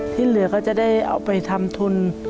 ที่เหลือก็จะได้เอาไปทำทุน